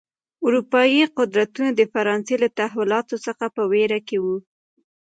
اروپايي قدرتونه د فرانسې له تحولاتو څخه په وېره کې و.